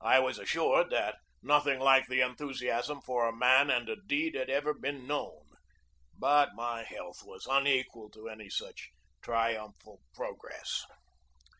I was assured that nothing like the enthusiasm for a man and a deed had ever been known. But my health was unequal to any such triumphal progress.